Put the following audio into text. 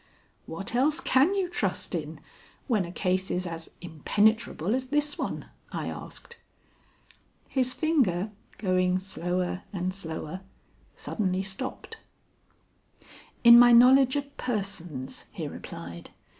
"What else can you trust in, when a case is as impenetrable as this one?" I asked. His finger, going slower and slower, suddenly stopped. "In my knowledge of persons," he replied.